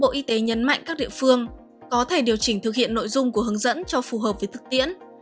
bộ y tế nhấn mạnh các địa phương có thể điều chỉnh thực hiện nội dung của hướng dẫn cho phù hợp với thực tiễn